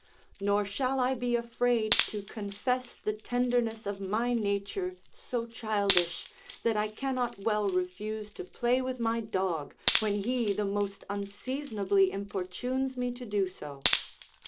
Nor shall I be afraid to confess the tenderness of my nature so childish, that I cannot well refuse to play with my dog, when he the most unseasonably importunes me to do so.